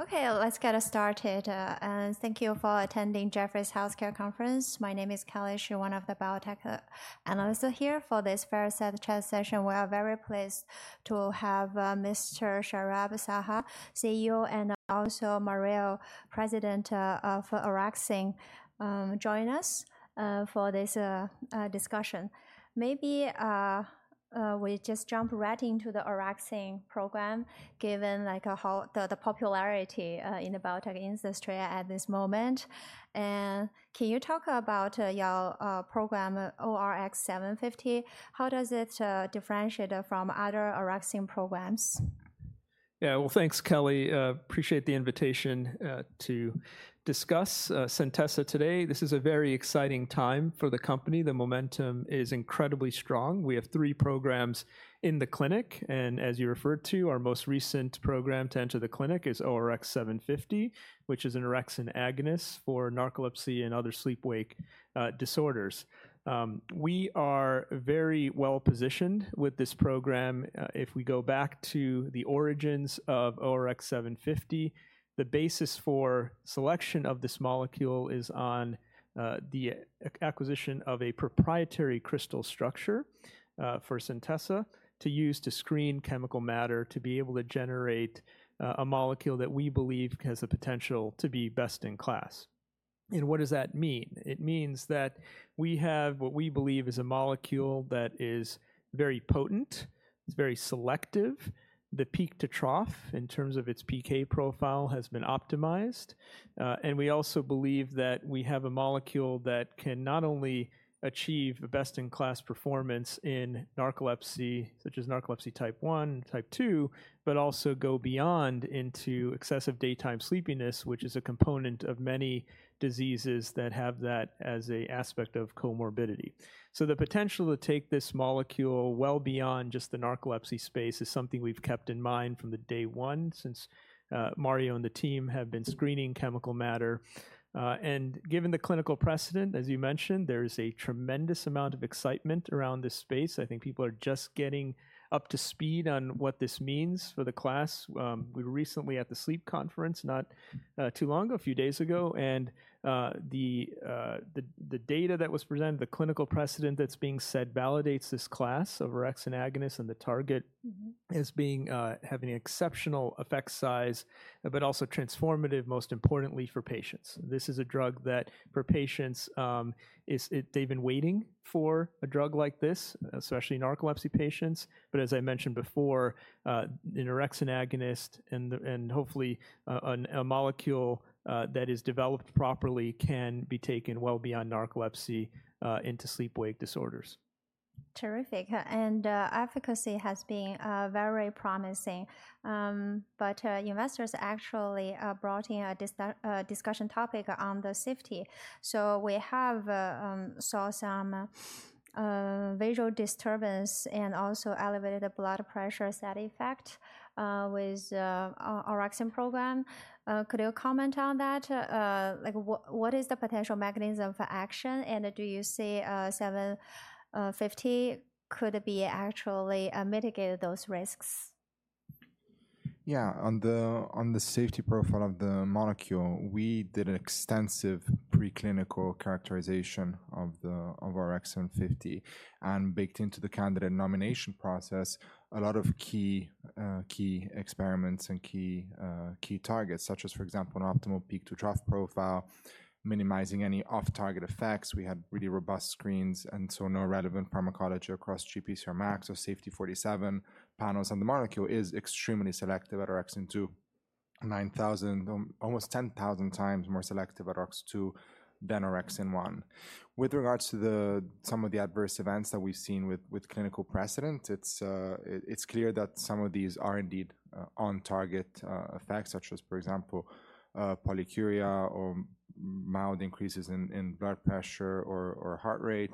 Okay, let's get started, and thank you for attending Jefferies Healthcare Conference. My name is Kelly Shi, one of the biotech analysts here. For this fireside chat session, we are very pleased to have Mr. Saurabh Saha, CEO, and also Mario, President for Orexin, join us for this discussion. Maybe we just jump right into the Orexin program, given like how the popularity in the biotech industry at this moment. And can you talk about your program, ORX750? How does it differentiate from other Orexin programs? Yeah. Well, thanks, Kelly. Appreciate the invitation to discuss Centessa today. This is a very exciting time for the company. The momentum is incredibly strong. We have three programs in the clinic, and as you referred to, our most recent program to enter the clinic is ORX750, which is an orexin agonist for narcolepsy and other sleep-wake disorders. We are very well-positioned with this program. If we go back to the origins of ORX750, the basis for selection of this molecule is on the acquisition of a proprietary crystal structure for Centessa to use to screen chemical matter, to be able to generate a molecule that we believe has the potential to be best in class. And what does that mean? It means that we have what we believe is a molecule that is very potent, it's very selective. The peak to trough, in terms of its PK profile, has been optimized. And we also believe that we have a molecule that can not only achieve a best-in-class performance in narcolepsy, such as narcolepsy type one, type two, but also go beyond into excessive daytime sleepiness, which is a component of many diseases that have that as an aspect of comorbidity. So the potential to take this molecule well beyond just the narcolepsy space is something we've kept in mind from the day one, since Mario and the team have been screening chemical matter. And given the clinical precedent, as you mentioned, there is a tremendous amount of excitement around this space. I think people are just getting up to speed on what this means for the class. We were recently at the Sleep Conference, not too long ago, a few days ago, and the data that was presented, the clinical precedent that's being set validates this class of orexin agonist, and the target is having exceptional effect size, but also transformative, most importantly for patients. This is a drug that for patients is—they've been waiting for a drug like this, especially narcolepsy patients. But as I mentioned before, an orexin agonist and the—and hopefully, a molecule that is developed properly can be taken well beyond narcolepsy into sleep-wake disorders. Terrific, and efficacy has been very promising. But investors actually brought in a discussion topic on the safety. So we have saw some visual disturbance and also elevated blood pressure side effect with orexin program. Could you comment on that? Like, what is the potential mechanism for action, and do you see 750 could be actually mitigate those risks? Yeah. On the safety profile of the molecule, we did an extensive preclinical characterization of ORX750, and baked into the candidate nomination process, a lot of key experiments and key targets, such as, for example, an optimal peak to trough profile, minimizing any off-target effects. We had really robust screens, and so no relevant pharmacology across GPCRMax or Safety47 panels, and the molecule is extremely selective at orexin 2, 9,000, almost 10,000 times more selective at OX2 than orexin 1. With regards to some of the adverse events that we've seen with clinical precedent, it's clear that some of these are indeed on-target effects, such as, for example, polyuria or mild increases in blood pressure or heart rate.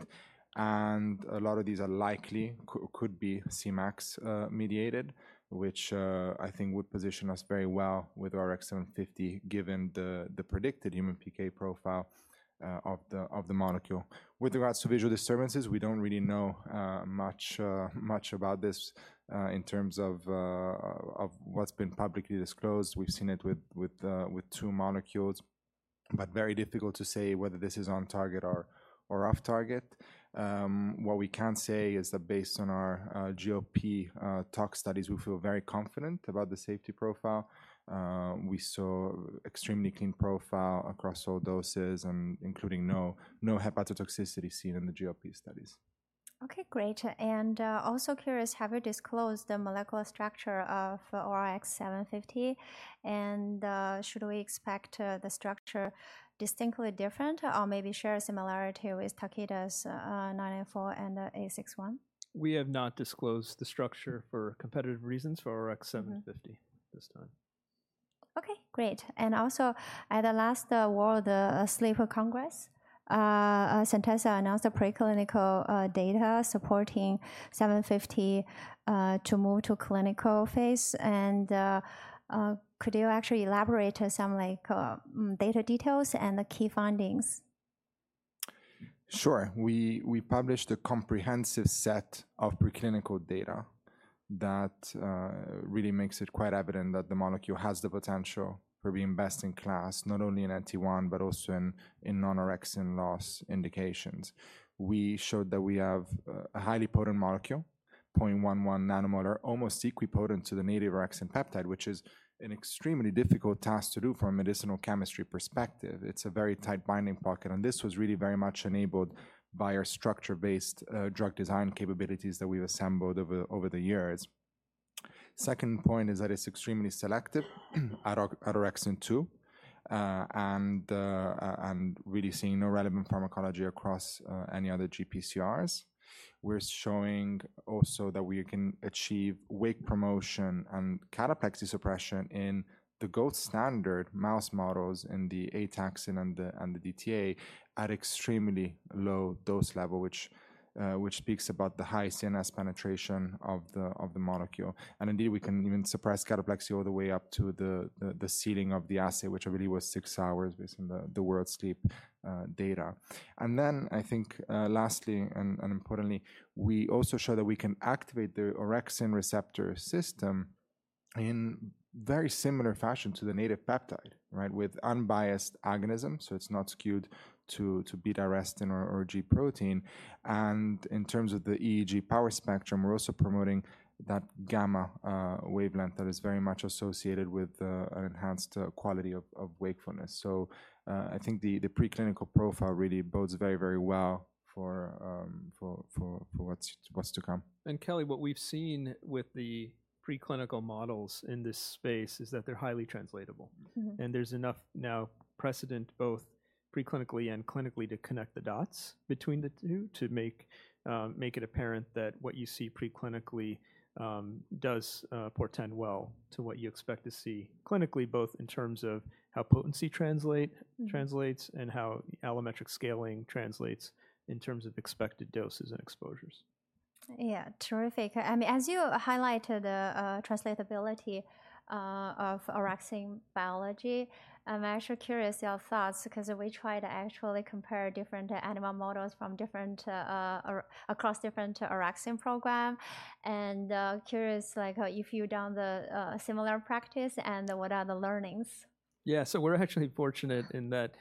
A lot of these are likely could be Cmax mediated, which I think would position us very well with ORX750, given the predicted human PK profile of the molecule. With regards to visual disturbances, we don't really know much about this in terms of what's been publicly disclosed. We've seen it with two molecules, but very difficult to say whether this is on target or off target. What we can say is that based on our GLP tox studies, we feel very confident about the safety profile. We saw extremely clean profile across all doses and including no hepatotoxicity seen in the GLP studies. Okay, great. And, also curious, have you disclosed the molecular structure of ORX750, and, should we expect, the structure distinctly different or maybe share a similarity with Takeda's, 994 and 861? We have not disclosed the structure for competitive reasons for ORX750- Mm-hmm. -this time. Okay, great. And also, at the last World Sleep Congress, Centessa announced the preclinical data supporting ORX750 to move to clinical phase. And could you actually elaborate some like data details and the key findings? Sure. We published a comprehensive set of preclinical data that really makes it quite evident that the molecule has the potential for best in class, not only in NT1, but also in non-orexin loss indications. We showed that we have a highly potent molecule, 0.11 nanomolar, almost equipotent to the native orexin peptide, which is an extremely difficult task to do from a medicinal chemistry perspective. It's a very tight binding pocket, and this was really very much enabled by our structure-based drug design capabilities that we've assembled over the years. Second point is that it's extremely selective at orexin two, and really seeing no relevant pharmacology across any other GPCRs. We're showing also that we can achieve wake promotion and cataplexy suppression in the gold standard mouse models, in the ataxin and the DTA at extremely low dose level, which speaks about the high CNS penetration of the molecule. And indeed, we can even suppress cataplexy all the way up to the ceiling of the assay, which really was six hours based on the world sleep data. And then I think lastly and importantly, we also show that we can activate the orexin receptor system in very similar fashion to the native peptide, right? With unbiased agonism, so it's not skewed to beta-arrestin or G protein. And in terms of the EEG power spectrum, we're also promoting that gamma wavelength that is very much associated with an enhanced quality of wakefulness. I think the preclinical profile really bodes very, very well for what's to come. Kelly, what we've seen with the preclinical models in this space is that they're highly translatable. Mm-hmm. There's enough now precedent, both preclinically and clinically, to connect the dots between the two, to make it apparent that what you see preclinically does portend well to what you expect to see clinically, both in terms of how potency translate- Mm. Translates, and how allometric scaling translates in terms of expected doses and exposures. Yeah, terrific. I mean, as you highlighted the translatability of orexin biology, I'm actually curious your thoughts because we try to actually compare different animal models from different or across different orexin program. And curious, like, if you've done the similar practice and what are the learnings? Yeah. So we're actually fortunate in that,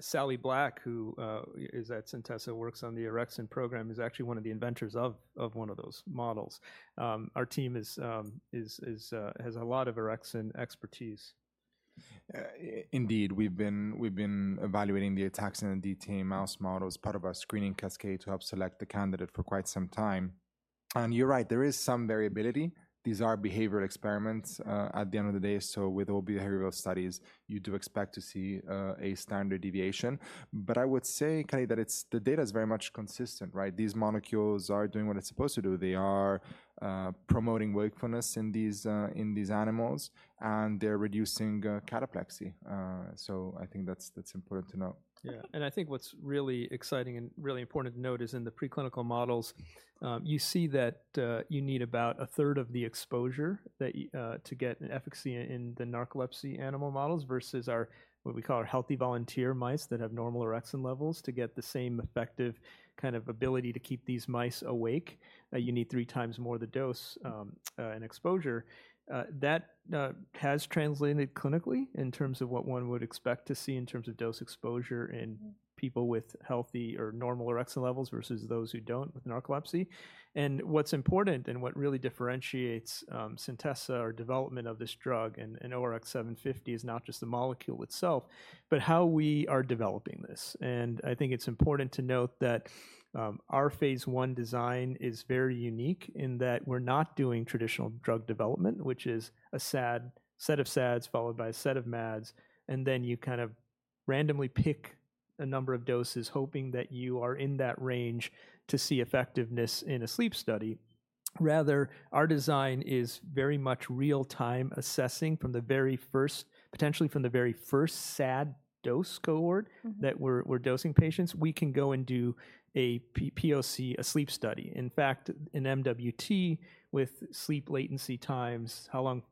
Sally Black, who is at Centessa, works on the orexin program, is actually one of the inventors of one of those models. Our team has a lot of orexin expertise. Indeed, we've been evaluating the Ataxin and DTA mouse model as part of our screening cascade to help select the candidate for quite some time. You're right, there is some variability. These are behavioral experiments, at the end of the day, so with all behavioral studies, you do expect to see a standard deviation. I would say, Kelly, that it's the data is very much consistent, right? These molecules are doing what it's supposed to do. They are promoting wakefulness in these animals, and they're reducing cataplexy. So I think that's important to note. Yeah. I think what's really exciting and really important to note is in the preclinical models, you see that you need about a third of the exposure that to get an efficacy in the narcolepsy animal models versus our what we call our healthy volunteer mice that have normal orexin levels. To get the same effective kind of ability to keep these mice awake, you need three times more the dose and exposure. That has translated clinically in terms of what one would expect to see in terms of dose exposure in people with healthy or normal orexin levels versus those who don't, with narcolepsy. And what's important and what really differentiates Centessa or development of this drug and ORX750 is not just the molecule itself, but how we are developing this. I think it's important to note that, our phase I design is very unique in that we're not doing traditional drug development, which is a SAD, set of SADs, followed by a set of MADs, and then you kind of randomly pick a number of doses, hoping that you are in that range to see effectiveness in a sleep study. Rather, our design is very much real-time assessing from the very first, potentially from the very first SAD dose cohort- Mm-hmm That we're dosing patients. We can go and do a POC, a sleep study. In fact, an MWT with sleep latency times, how long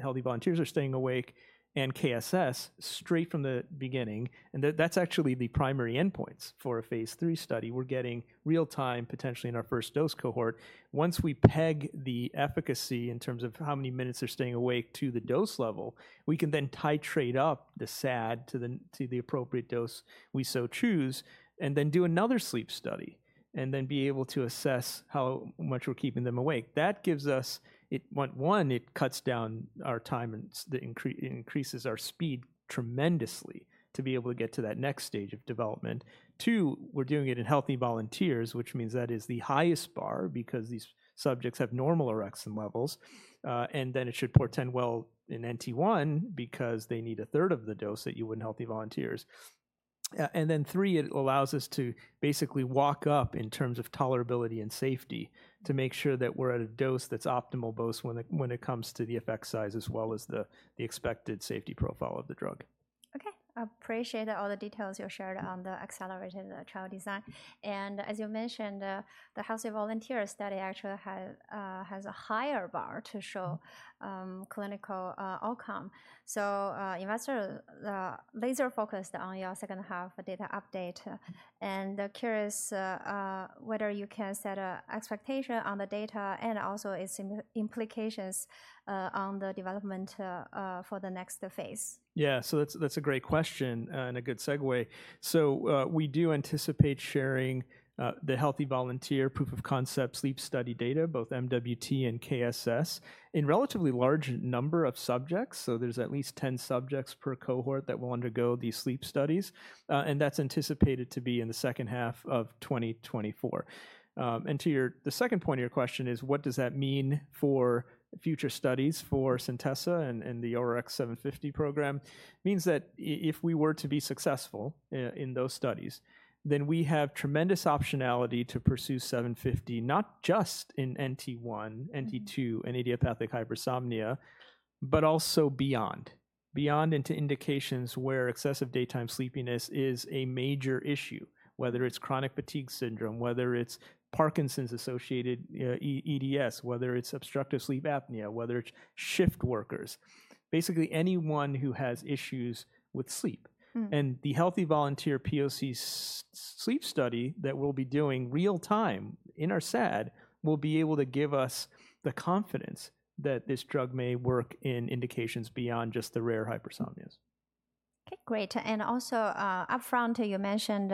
healthy volunteers are staying awake, and KSS straight from the beginning, and that's actually the primary endpoints for a phase III study. We're getting real time, potentially in our first dose cohort. Once we peg the efficacy in terms of how many minutes they're staying awake to the dose level, we can then titrate up the SAD to the appropriate dose we so choose, and then do another sleep study, and then be able to assess how much we're keeping them awake. That gives us, it cuts down our time and it increases our speed tremendously to be able to get to that next stage of development. 2, we're doing it in healthy volunteers, which means that is the highest bar because these subjects have normal orexin levels, and then it should portend well in NT1, because they need a third of the dose that you would in healthy volunteers. And then 3, it allows us to basically walk up in terms of tolerability and safety to make sure that we're at a dose that's optimal, both when it, when it comes to the effect size as well as the, the expected safety profile of the drug. Okay. I appreciate all the details you shared on the accelerated trial design. And as you mentioned, the healthy volunteer study actually has a higher bar to show clinical outcome. So, investor laser focused on your second half data update, and curious whether you can set a expectation on the data and also its implications on the development for the next phase. Yeah. So that's, that's a great question, and a good segue. So, we do anticipate sharing the healthy volunteer proof of concept sleep study data, both MWT and KSS, in relatively large number of subjects. So there's at least 10 subjects per cohort that will undergo these sleep studies, and that's anticipated to be in the second half of 2024. And to your, the second point of your question is, what does that mean for future studies for Centessa and, and the ORX750 program? Means that if we were to be successful in those studies, then we have tremendous optionality to pursue 750, not just in NT1, NT2, and idiopathic hypersomnia, but also beyond. Beyond into indications where excessive daytime sleepiness is a major issue, whether it's chronic fatigue syndrome, whether it's Parkinson's-associated EDS, whether it's obstructive sleep apnea, whether it's shift workers, basically anyone who has issues with sleep. Mm. The healthy volunteer POC sleep study that we'll be doing real time in our SAD will be able to give us the confidence that this drug may work in indications beyond just the rare hypersomnias. Okay, great. And also, upfront, you mentioned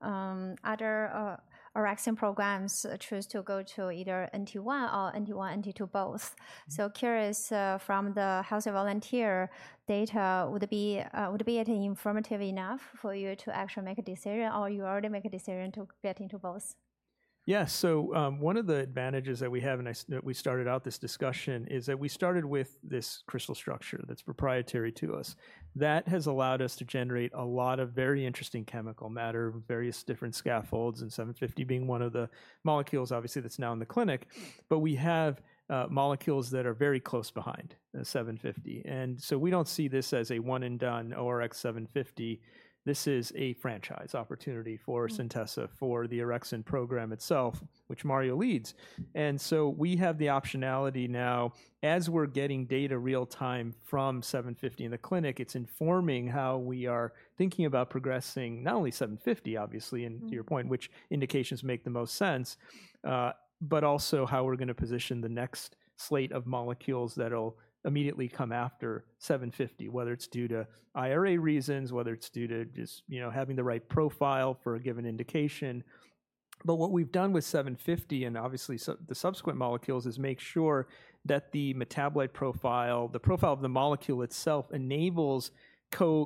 other orexin programs choose to go to either NT1 or NT1, NT2, both. So curious, from the healthy volunteer data, would it be informative enough for you to actually make a decision, or you already make a decision to get into both? Yeah, so, one of the advantages that we have, and that we started out this discussion, is that we started with this crystal structure that's proprietary to us. That has allowed us to generate a lot of very interesting chemical matter, various different scaffolds, and 750 being one of the molecules, obviously, that's now in the clinic. But we have molecules that are very close behind 750, and so we don't see this as a one and done ORX 750. This is a franchise opportunity for- Mm. Centessa, for the orexin program itself, which Mario leads. And so we have the optionality now, as we're getting data real time from ORX750 in the clinic, it's informing how we are thinking about progressing not only ORX750, obviously. Mm. and to your point, which indications make the most sense, but also how we're gonna position the next slate of molecules that'll immediately come after 750, whether it's due to IRA reasons, whether it's due to just, you know, having the right profile for a given indication. But what we've done with 750 and obviously the subsequent molecules, is make sure that the metabolite profile, the profile of the molecule itself, enables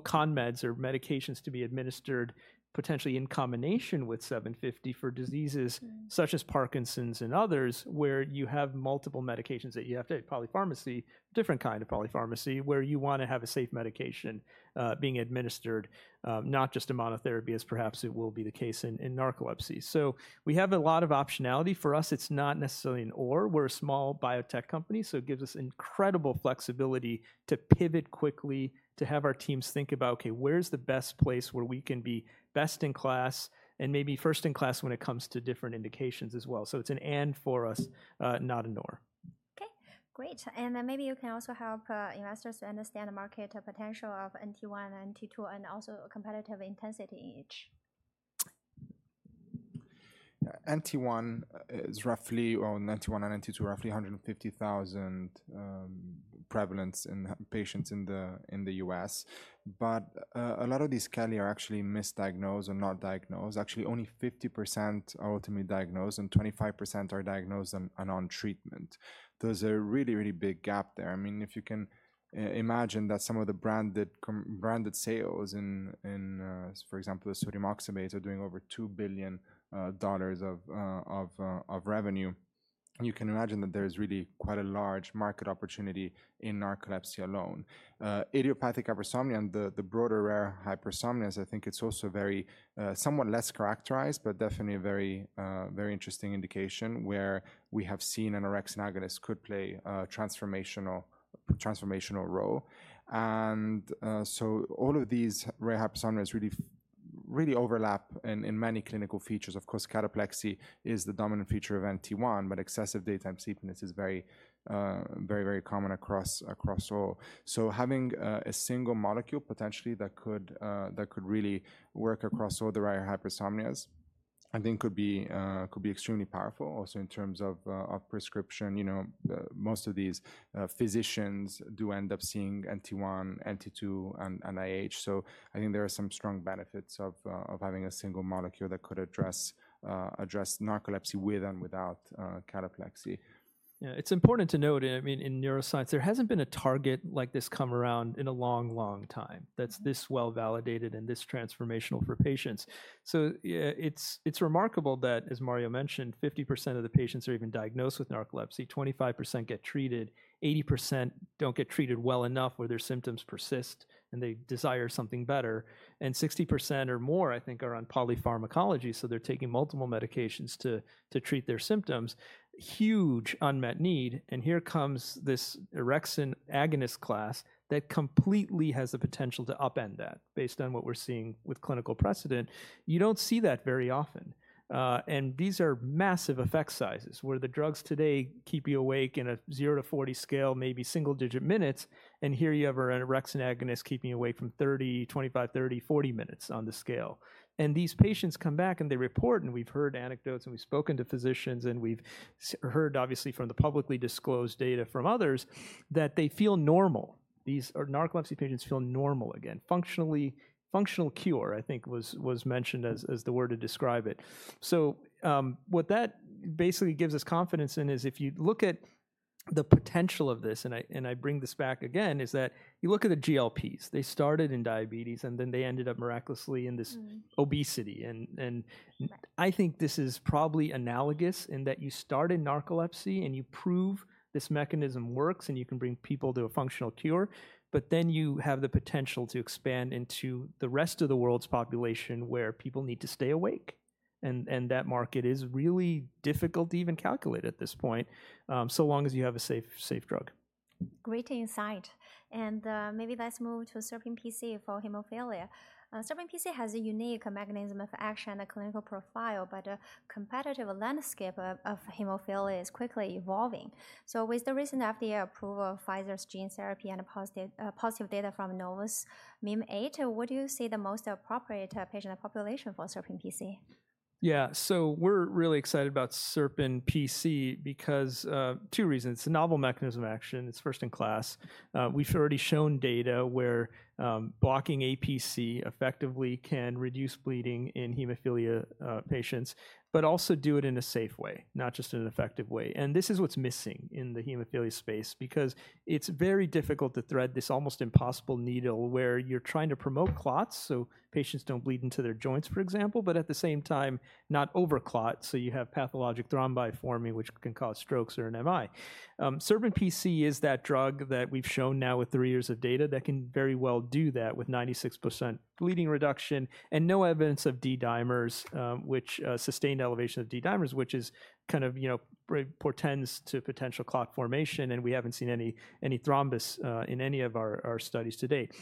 conmeds or medications to be administered potentially in combination with 750 for diseases- Mm... such as Parkinson's and others, where you have multiple medications that you have to take, polypharmacy. Different kind of polypharmacy, where you wanna have a safe medication, being administered, not just a monotherapy, as perhaps it will be the case in narcolepsy. So we have a lot of optionality. For us, it's not necessarily an or. We're a small biotech company, so it gives us incredible flexibility to pivot quickly, to have our teams think about: Okay, where's the best place where we can be best in class and maybe first in class when it comes to different indications as well? So it's an and for us, not an or. Okay, great. And then maybe you can also help investors to understand the market potential of NT1 and NT2, and also competitive intensity in each. NT1 is roughly, well, NT1 and NT2, roughly 150,000 prevalence in patients in the US. But a lot of these currently are actually misdiagnosed or not diagnosed. Actually, only 50% are ultimately diagnosed, and 25% are diagnosed and on treatment. There's a really, really big gap there. I mean, if you can imagine that some of the branded sales in, for example, the sodium oxybate are doing over $2 billion of revenue. You can imagine that there's really quite a large market opportunity in narcolepsy alone. Idiopathic hypersomnia and the broader rare hypersomnias, I think it's also very somewhat less characterized, but definitely a very interesting indication where we have seen an orexin agonist could play a transformational, transformational role. So all of these rare hypersomnias really really overlap in many clinical features. Of course, cataplexy is the dominant feature of NT1, but excessive daytime sleepiness is very, very, very common across all. So having a single molecule, potentially, that could really work across all the rare hypersomnias, I think could be extremely powerful. Also, in terms of prescription, you know, most of these physicians do end up seeing NT1, NT2, and IH. So I think there are some strong benefits of having a single molecule that could address narcolepsy with and without cataplexy.... Yeah, it's important to note, I mean, in neuroscience, there hasn't been a target like this come around in a long, long time that's this well-validated and this transformational for patients. So, it's remarkable that, as Mario mentioned, 50% of the patients are even diagnosed with narcolepsy, 25% get treated, 80% don't get treated well enough where their symptoms persist, and they desire something better, and 60% or more, I think, are on polypharmacology, so they're taking multiple medications to treat their symptoms. Huge unmet need, and here comes this orexin agonist class that completely has the potential to upend that, based on what we're seeing with clinical precedent. You don't see that very often. And these are massive effect sizes, where the drugs today keep you awake in a 0-40 scale, maybe single-digit minutes, and here you have an orexin agonist keeping you awake 30, 25, 30, 40 minutes on the scale. And these patients come back, and they report, and we've heard anecdotes, and we've heard, obviously, from the publicly disclosed data from others, that they feel normal. These are narcolepsy patients feel normal again. Functionally, functional cure, I think, was, was mentioned as, as the word to describe it. So, what that basically gives us confidence in is if you look at the potential of this, and I, and I bring this back again, is that you look at the GLPs. They started in diabetes, and then they ended up miraculously in this- Mm. obesity. And, and I think this is probably analogous in that you start in narcolepsy, and you prove this mechanism works, and you can bring people to a functional cure. But then you have the potential to expand into the rest of the world's population, where people need to stay awake, and, and that market is really difficult to even calculate at this point. So long as you have a safe, safe drug. Great insight, and, maybe let's move to SerpinPC for hemophilia. SerpinPC has a unique mechanism of action and clinical profile, but the competitive landscape of hemophilia is quickly evolving. So with the recent FDA approval of Pfizer's gene therapy and a positive, positive data from Novo Mim8, what do you see the most appropriate patient population for SerpinPC? Yeah. So we're really excited about SerpinPC because of two reasons: it's a novel mechanism of action, it's first in class. We've already shown data where blocking APC effectively can reduce bleeding in hemophilia patients, but also do it in a safe way, not just in an effective way. And this is what's missing in the hemophilia space because it's very difficult to thread this almost impossible needle where you're trying to promote clots, so patients don't bleed into their joints, for example, but at the same time, not overclot, so you have pathologic thrombi forming, which can cause strokes or an MI. SerpinPC is that drug that we've shown now with 3 years of data that can very well do that with 96% bleeding reduction and no evidence of D-dimers, which sustained elevation of D-dimers, which is kind of, you know, portends to potential clot formation, and we haven't seen any thrombus in any of our studies to date.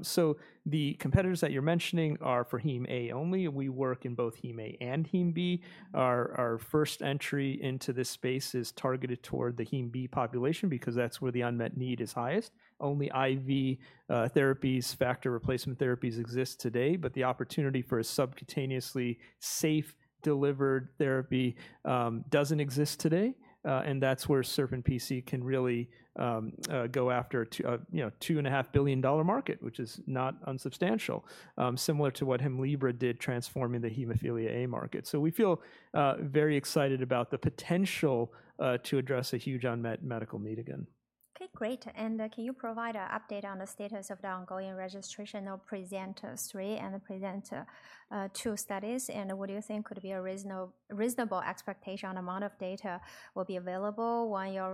So the competitors that you're mentioning are for hem A only. We work in both hem A and hem B. Our first entry into this space is targeted toward the hem B population because that's where the unmet need is highest. Only IV therapies, factor replacement therapies exist today, but the opportunity for a subcutaneously safe, delivered therapy doesn't exist today. That's where SerpinPC can really go after, you know, $2.5 billion market, which is not unsubstantial. Similar to what Hemlibra did, transforming the hemophilia A market. We feel very excited about the potential to address a huge unmet medical need again. Okay, great. And can you provide an update on the status of the ongoing registration of PresEnt-3 and the PresEnt-2 studies? And what do you think could be a reasonable, reasonable expectation on amount of data will be available when you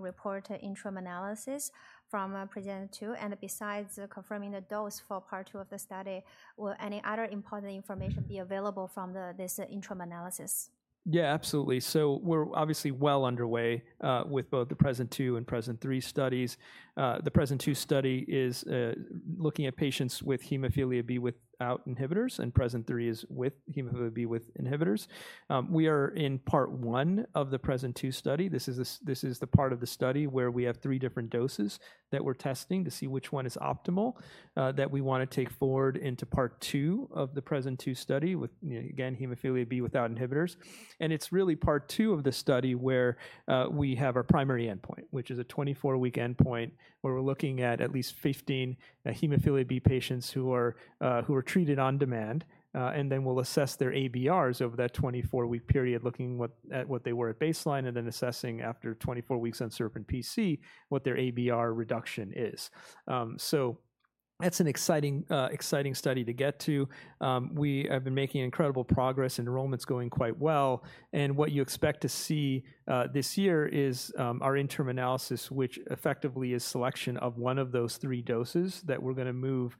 report interim analysis from PresEnt-2? And besides confirming the dose for part two of the study, will any other important information be available from the this interim analysis? Yeah, absolutely. So we're obviously well underway with both the PresEnt-2 and PresEnt-3 studies. The PresEnt-2 study is looking at patients with hemophilia B without inhibitors, and PresEnt-3 is with hemophilia B with inhibitors. We are in part 1 of thePresEnt-2 study. This is the part of the study where we have 3 different doses that we're testing to see which one is optimal that we wanna take forward into part 2 of the PresEnt-2 study, with, you know, again, hemophilia B without inhibitors. And it's really part 2 of the study where we have our primary endpoint, which is a 24-week endpoint, where we're looking at at least 15 hemophilia B patients who are treated on demand. And then we'll assess their ABRs over that 24-week period, looking at what they were at baseline and then assessing after 24 weeks on SerpinPC, what their ABR reduction is. So that's an exciting, exciting study to get to. We have been making incredible progress, enrollment's going quite well, and what you expect to see, this year is, our interim analysis, which effectively is selection of one of those 3 doses that we're gonna move,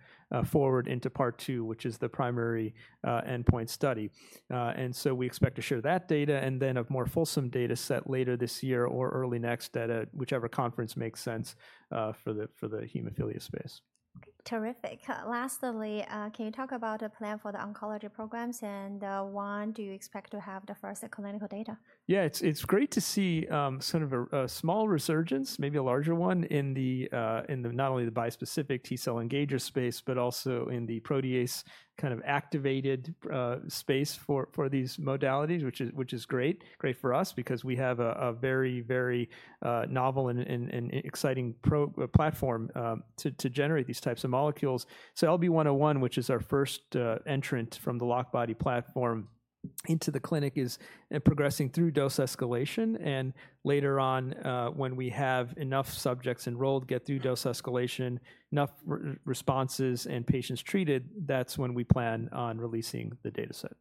forward into part 2, which is the primary, endpoint study. And so we expect to share that data and then a more fulsome data set later this year or early next at, at whichever conference makes sense, for the, for the hemophilia space. Terrific. Lastly, can you talk about a plan for the oncology programs, and, when do you expect to have the first clinical data? Yeah, it's great to see sort of a small resurgence, maybe a larger one, in the not only the bispecific T-cell engager space, but also in the protease kind of activated space for these modalities, which is great. Great for us because we have a very novel and exciting platform to generate these types of molecules. So LB101, which is our first entrant from the LockBody platform into the clinic, is progressing through dose escalation. And later on, when we have enough subjects enrolled, get through dose escalation, enough responses, and patients treated, that's when we plan on releasing the data set.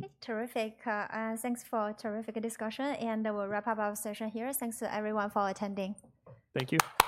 Okay, terrific. Thanks for a terrific discussion, and we'll wrap up our session here. Thanks to everyone for attending. Thank you.